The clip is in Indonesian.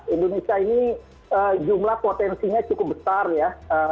indonesia ini jumlah potensinya cukup besar ya